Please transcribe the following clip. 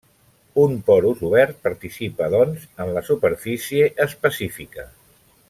Un porus obert participa, doncs, en la superfície específica.